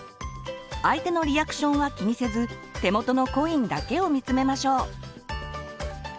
相手のリアクションは気にせず手元のコインだけを見つめましょう。